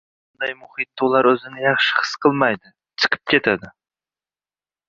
Bunday muhitda ular o‘zini yaxshi his qilmaydi, chiqib ketadi.